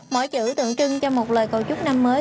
mỗi chữ tượng trưng cho một lời cầu chúc năm mới